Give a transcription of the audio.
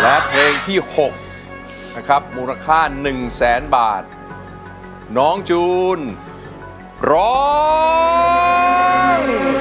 และเพลงที่หกนะครับมูลค่าหนึ่งแสนบาทน้องจูนร้อง